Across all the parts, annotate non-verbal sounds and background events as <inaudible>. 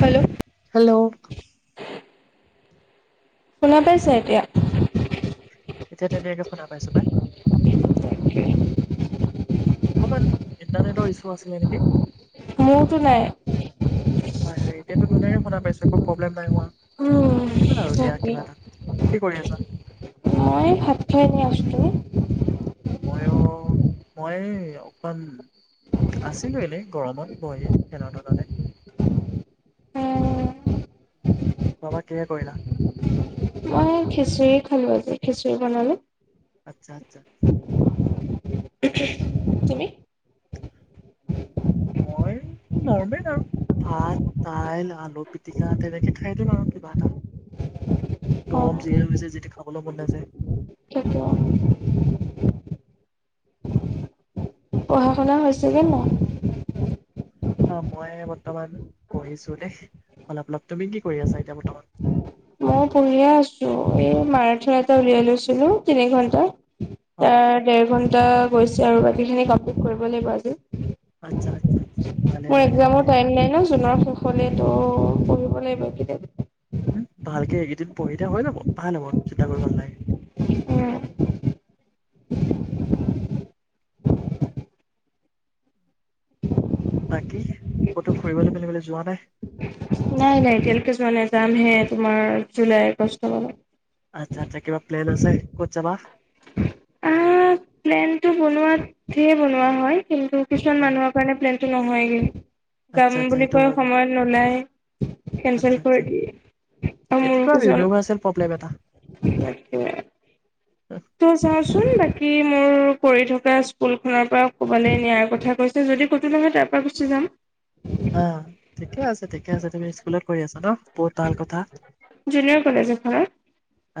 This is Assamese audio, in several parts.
Hello hello. শুনা পাইছা, এতিয়া। এতিয়া তেতিয়াকে চ শুনা পাইছোঁ, পাই। অকমান, ইণ্টাৰনেটৰ ইস্যু আছিলে নেকি। মোৰতো নাই। হয়, হয়, এতিয়াতো ধুনীয়াকে শুনা পাইছা। একো প্ৰব্লেম নাই হোৱা। অহ্, হ'ল আৰু দিয়া তাকেই কিবা এটা, কি কৰি আছা? মই ভাত খাইহে আছিলোঁ। ময়ো, মই অকহ, আছিলো এনেই গৰমত বহি ফেনৰ তলতে। খোৱা-বোৱা কিহেৰে কৰিলা। অ', খিচুৰি খালো আজি, খিচুৰি বনালো। আচ্ছা আচ্ছা। উহ্উম, তুমি। মই, নৰ্মেল আৰু ভাত, দাইল, আলু পিটিকা তেনেকে খাই দিম আৰু কিবা এটা। অ গৰম যিহেতু হৈছে যি-তি খাবলৈও মন নাযায়। সেইটোও পঢ়া-শুনা হৈছেগে ন। অ', মই বৰ্তমান পঢ়িছো দেই, অলপ-অলপ তুমি কি কৰি আছা এতিয়া বৰ্তমান। মই পঢ়িয়ে আছো। এই মাৰাঠী এটা উলিয়াই লৈছিলোঁ। তিনি ঘন্টাৰ অ'। তাৰ, ডেৰ ঘণ্ট টা গৈছে আৰু বাকীখিনি কমপ্লিত কৰিব লাগিব আজি। আচ্ছা আচ্ছা আচ্ছা ভালে মোৰ ভালে এক্সামৰ ভালে টাইম নাই ন' জুনৰ। হলেতো, পঢ়িব লাগিব এইকেইটা দি উম ভালকে এইকেইদিন পঢ়ি থাকা হ‌ই যাব। ভাল হ'ব, চিন্তা কৰিব নালাগে। উম বাকী, ক'তো ফুৰিবলে-মেলিবলে যোৱা নাই। নাই-নাই, এতিয়ালৈকে যোৱা নাই যামহে তোমাৰ জুলাই আগষ্ট মানত আচ্ছা-আচ্ছা কিবা প্লেন আছে ক'ত যাবা আহ, প্লেনটো বনোৱাত ধেৰ বনোৱা হয় কিন্তু কিছুমান হা, মানুহৰ কাৰণে প্লেন সিটো নহয়গে যাম আচ্ছা আচ্ছা বুলি সেইটো কৈ হয় বাৰু। সময়ত নোলায় কেনচেল আচ্ছা আচ্ছা কৰি দিয়ে আৰু এইটোতো মোৰো আৰু ইউনিভাৰ্চেল প্ৰব্লেম এটা কিছুমান তাকে তো চাওচোন বাকী মোৰ পঢ়ি থকা স্কুলখনৰ পৰা কৰবালে নিয়াৰ কথা কৈছিল। যদি ক'তো নহয়, তাৰ পৰা গুচি যাম। হা বা ঠিকে আছে-ঠিকে আছে। তুমি স্কুলত কৰি আছা ন' বহুত ভাল কথা। জুনিয়ৰ কলেজ এখনত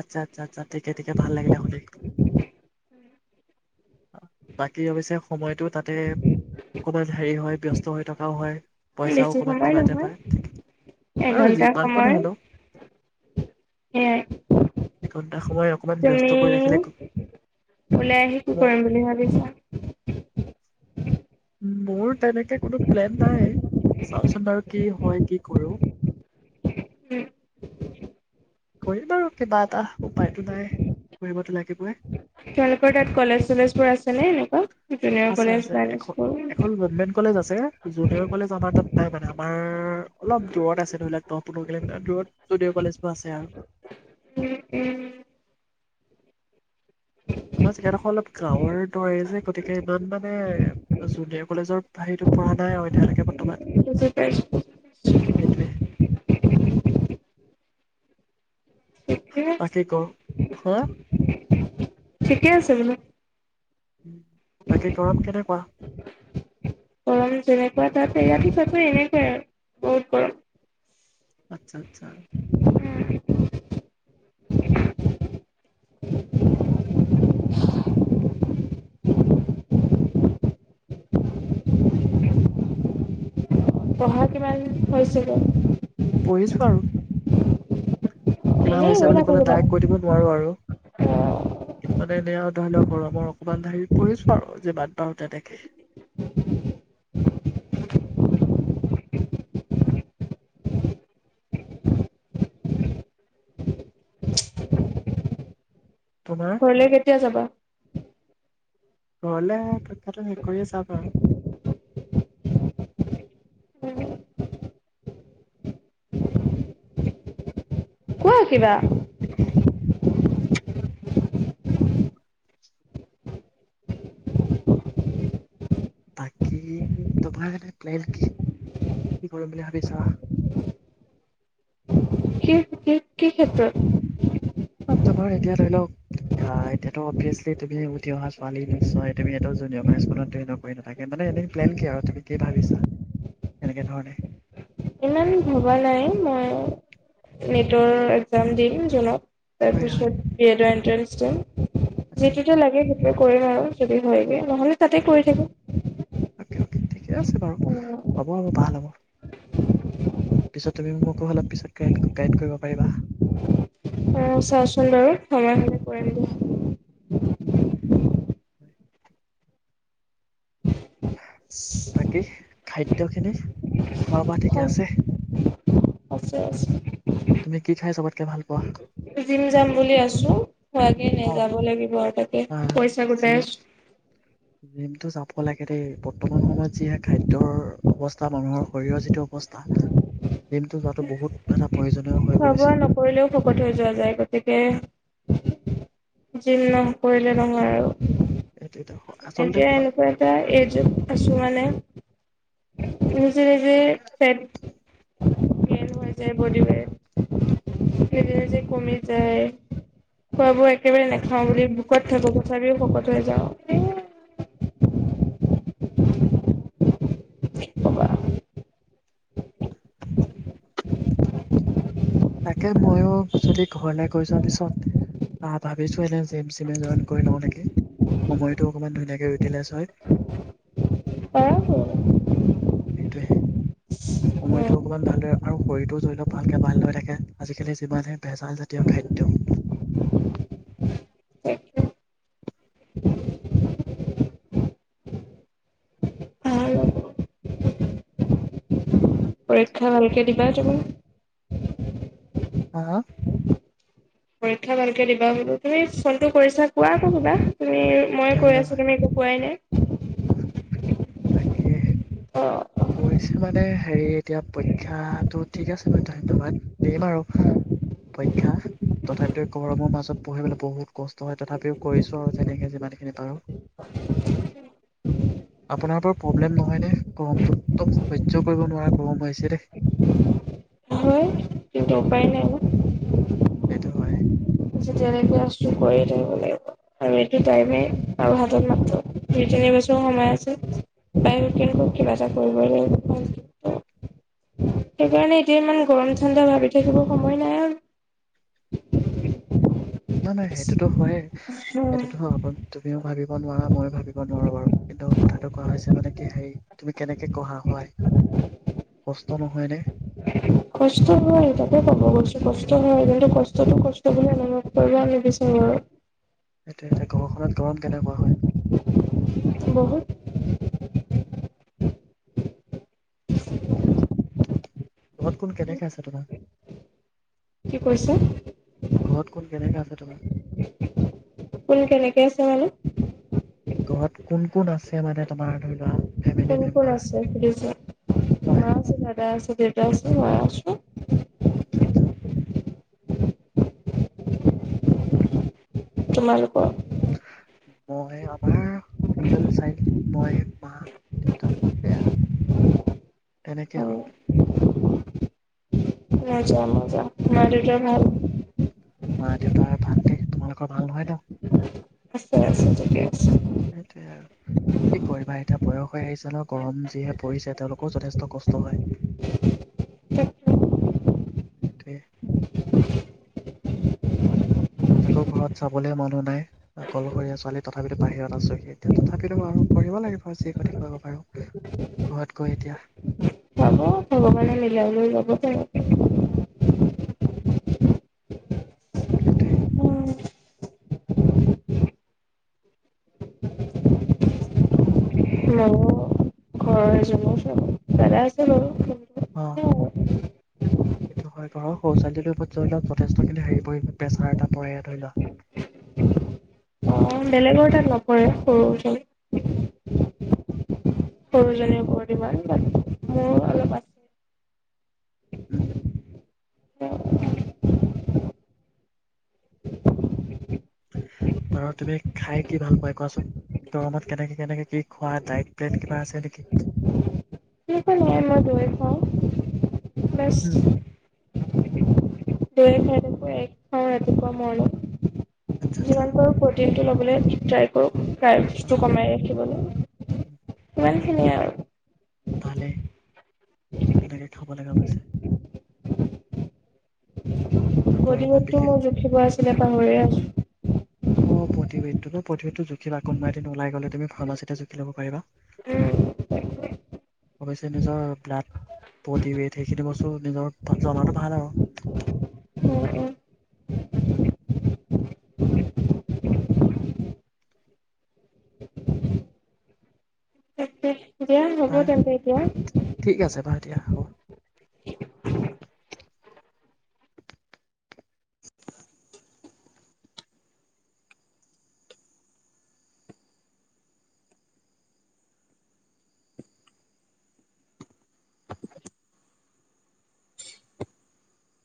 আচ্ছা-আচ্ছা-আচ্ছা। ঠিকে-ঠিকে ভাল লাগিলে শুনি। বাকী অৱশ্যে সময়টো তাতে অকমান হেৰি হয় ব্যস্ত হৈ থকাও হয় পইচাও বেছি অকণমান সময় কিবা এটা নহয় পায় ঠিকে বাৰু এঘন্টা যিমান কণে সময় হ'লেও সেয়াই এঘণ্টা সময় অকণমান ব্যস্ত তুমি কৰি ৰাখিলে ওলাই আহি কি কৰিম ম বুলি ভাবিছা মোৰ তেনেকে কোনো প্লেন নাই চাওঁচোন বাৰু কি হয় কি কৰো উম কৰিম আৰু কিবা এটা উপায়তো নাই কৰিবতো লাগিবই তোমালোকৰ তাত কলেজ চলেজ বোৰ আছে নে এনেকোৱা আছে আছে এখ এখন গভমেন্ট কলেজ আছে জুনিয়ৰ কলেজ আমাৰ তাত নাই মানে আমাৰ অলপ দূৰত আছে ধৰি লোৱা দহ পোন্ধৰ কিলোমিটাৰ দূৰত ষ্টুডিঅ' কলেজবোৰ আছে আৰু উম উম আমাৰ জেগাডোখৰ অলপ গাঁৱৰ দৰে যে গতিকে ইমান মানে জুনিয়ৰ কলেজৰ হেৰিটো পৰা নাই আৰু এতিয়ালৈকে বৰ্তমান বুজি পাইছো সেইটোৱে ঠিকে আছে, তাকেই ক হা ঠিকে আছে এইবিলাক বাকী গৰম কেনেকোৱা গৰম যেনেকোৱা তাতে ইয়াতো চাগে এনেকোৱাই আৰু বহুত গৰম আচ্ছা আচ্ছা পঢ়া কিমান হৈছিলে পঢ়িছো আৰু কিমান এনেই হৈছে হৈ বুলি কলে নাথাকিবা। ডাইৰেক্ট কৈ দিব নোৱাৰো আৰু কিন্তু মানে এনে আও ধৰি লও গৰমৰ অকমান হেৰিত পঢ়িছো আৰু যে বাট বাৰু তেনেকে তোমাৰ ঘৰলে কেতিয়া যাবা ঘৰলে পৰীক্ষাটো শেষ কৰিয়ে যাম আৰু উম কোৱা কিবা <unintelligible> বাকী তোমাৰ এ প্লেন কি কি কৰিম বুলি ভাবিছা কি কি কি ক্ষেত্ৰত অ, তোমাৰ এতিয়া ধৰি লওক আহ এতিয়াতো অবেয়েচলি তুমি উঠি অহা ছোৱালী নিশ্চয় তুমি এটা জুনিয়ৰ স্কুলত জইনৰ কৰি নাথাকা মানে এনেই প্লেন কি আৰু তুমি কি ভাবিছা এনেকে ধৰণে ইমান ভবা নাই মই নেটৰ এক্জাম দিম জুনত তা হয় হয় পিছত এডণ্ট্ৰ ষ্ট আচ্ছা যিটোত আচ্ছা লাগে সেইটো কৰিম আৰু যদি হয়গৈ নহলে তাতে কৰি থাকো অকে অকে ঠিকে আছে বাৰু হ'ব হ'ব ভাল হ'ব পিছত তুমি মোকো অলপ পিছত গাইড কৰিব পাৰিবা অ চাওচোন বাৰু সময় হলে কৰিম দিয়া উম বাকী খাদ্য খিনি হয় আছে আছে তুমি খাই কি চবতকে ভাল পোৱা জিম যাম বুলি আছো তাকে এ অ', যাব লাগিব আৰু তাকে আহ পইচা গোটাই জিম আছো জিমটো যাব লাগে দেই বৰ্তমান সময় যিহে খাদ্যৰ অৱস্থা মানুহৰ শৰীৰৰ যিটো অৱস্থা জিমটো যোৱাতো বহুত এটা প্ৰয়োজনীয় হৈ খোৱা গৈছে। বোৱা নকৰিলেও ভকত হৈ যোৱা যায় গতিকে জিম নহ কৰিলে নহয় আৰু এইটো এটা স- আচলতে এতিয়া এনেকুৱা এটা এজত আছো মানে ছিল যে ফেট হৈ যায় বডি কাৰণে নিজে নিজে কমি যায় খোৱা বোৱা একেবাৰে নাখাওঁ বুলি ভোকত থাকো তথাপিও শকত যাওঁ এ কবা তাকে ময়ো যদি ঘৰলৈ গৈ যোৱাৰ পিছত আহ ভাবিছোঁ এনে জেম চিমে জইন কৰি লওঁ নেকি সময়টো অকমান ধুনীয়াকে ইউটিলাইজ হয় পাৰা উম সেইটোৱে সময়টো অকমান ভালদৰে আৰু শৰীৰটো ধৰি লওক ভালকে ভাল ল হৈ থাকে আজিকালি যিমানহে ভেজাল জাতীয় খাদ্য তাকে পৰীক্ষা ভালকে দিবা তুমি হা হা পৰীক্ষা ভালকে দিবা বোলো তুমি ফোনটো কৰিছা কোৱা আকৌ কিবা তুমি মই ধন্য কৈ আছো তুমি একো কোৱাই নাই তাকে অ পৰিঢ়ছে মানে হেৰি এতিয়া পৰীক্ষাটো ঠিক আছে মই ধন্যবাদ দিম আৰু পৰীক্ষা তথাপিতো গৰমৰ মাজত পঢ়িবলৈ বহুত কষ্ট হয় তথাপিও কৰিছো আৰু যেনেকে যিমানখিনি পাৰো আপোনাৰ বাৰু প্ৰব্লেম নহয়নে গৰমটো একদম সহ্য কৰিব নোৱাৰা গম হৈছে দেই তেটো উপ উপায় নাই ন সেইটো হয় যেতিয়ালকে আো কৰিয় থাকিব লাগিব আৰু এইটোটাই আৰু হাতত মাত দুই তিনিবছৰ সময় আছে কিবা এটা কৰিব লাগ সেইকাৰণে এতিয়া ইমান গৰম ঠাণ্ডা ভাবি থাকিব সময় নাই আৰু উম নহয় নহয় সেইটোতো হয়ে সেইটোো তুমিও ভাবি নোৱাৰা মই ভাবিব নোৱাৰো বাৰু কিন্তু কথাটো কোৱা হৈছে মানে কি হেৰি তুমি কেনেকে ক়া হয় কষ্ট নহয়নে কষ্ট হয় তাকে কব গৈছো কষ্ট হয় কিন্তু কষ্টতটো কষ্ট বুলি এমত কৰিব নিবিচাৰো আৰু সটো এয়া ঘৰখনাত গৰম কেনেকুৱা হয় বহুত লগত কোন কেনেকে আছে তোমাৰ কি কৈছে ধ ফোন কেনেক আছে মানে ঘৰত কোন কোন আছে মানে তোমাৰ ধৰি লোৱা ক ফেমিলি কোন মেম্বাৰ আছে সদস্য মা হয় আছে দাদা আছে দেউতা আছে মায় আছে আচ্ছা আচ্ছা তোমালোক মই আমাৰ চিংগল চাইল্ড মই মা দেউতা সেয়া আৰু তেনেকে আৰু মজা মজা মাৰটো ভ মা দেউতা ভাল দে তোমালোকৰ ভাল নহয় ন আছো আছো তেকয়া <unintelligible> আছো সেইটোৱে আৰু কি কৰিবা এতিয়া বয়স হৈ আহিছে ন গৰম যিহে পৰিছে তেওঁলোকৰও যথেষ্ট কষ্ট হয় হ'ব সেইটোৱে তাকো ঘৰত চাবলৈ মানুহ নাই কলশৰীয়া ছোৱালী তথাপিতো বাহিৰত আছোহি এতিয়া তথাপিতো বাৰ কৰিব লাগিব আৰু যেই কথা কৰিব পাৰো ঘৰত গৈ এতিয়া ভগৱানে মিলাবলও যব চ সেইটোৱ ম কৰো ঘ চ ভালে আছে বাৰু অ কিন্তু সেইটো হয় ঘৰৰ শৌচালয় ধৰি লওক যথেষ্টখিনি হেৰি পৰি প্ৰেছাৰ এটা পৰে ধৰি লোৱা অ বেলেগৰ তাত নপৰে সৰুজন সৰুজনীৰওৰত ইমান মোৰ অলপ আছে উম <inaudible> বাৰ তুমি খাই কি ভাল পাই কোৱাচোন গৰমত কেনেকে কেনেকে কি খোৱা ডাইট প্লেন কিবা আছে নেকি কি নাই মাজুৱছ বছ উম। দুই খাই থো এক খাওঁ ৰাতিপুৱা মইলো আচ্ছা আচ্ছা যিমান প প িটো ল'বলৈ ট্ৰাই অ কৰোঁ <unintelligible> কমাই ৰাখিব লাগিব কিমান এনেই আৰু ভালেই তেনেকে খাব লাগে অৱশ্যে গৰমত গতিবধতটো বিশেষ মোৰ জুখিব আছিলে পাহৰি আছো। অ প্ৰতিভদটো ন প্ৰতিভেদটো জখিবানবা এিন ওল গলে তুমি ফাৰ্মাছিতে জোখি লব পাৰা উম অৱশ্যে নিজৰ ব্লাড বি ৱেইট সেইখিনি বস্তু নিজৰ জমাটো ভাল আৰু উম উম তাকে দিয়া হব তাৰ তেন্তে এতিয়া ঠিক আছে বাৰু দিয়া হ'ব। <unintelligible>